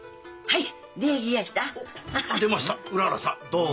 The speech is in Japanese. はい。